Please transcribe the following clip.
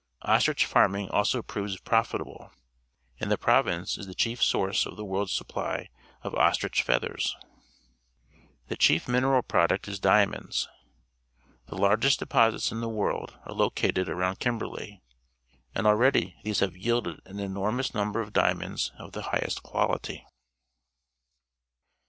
Ostrich farming also proves profitable, and the provnice is the chief source of the world's supply of ostrich feathers. The cliief min eral product is diamond.s. The largest deposits in the world are located around iuinbeiley, and already these have A Mud Hoist at a Diamond Mine, Cape Province yielded an enormous number of diamonds of the highest quality.